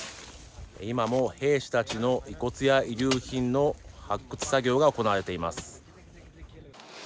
今も、兵士たちの遺骨や遺留品の発掘作業が行われています。